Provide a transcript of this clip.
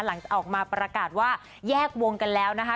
หลังจากออกมาประกาศว่าแยกวงกันแล้วนะคะ